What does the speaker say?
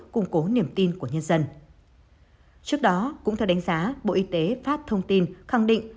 cung cố niềm tin của nhân dân trước đó cũng theo đánh giá bộ y tế phát thông tin khẳng định